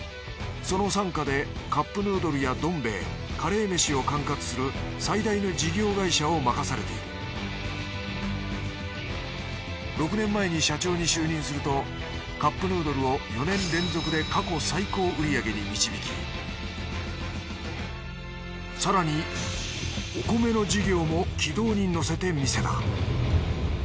その傘下でカップヌードルやどん兵衛カレーメシを管轄する最大の事業会社を任されている６年前に社長に就任するとカップヌードルを４年連続で過去最高売り上げに導き更にお米の事業も軌道に乗せてみせた。